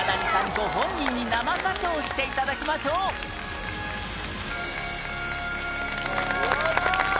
ご本人に生歌唱していただきましょう宮田：やばっ！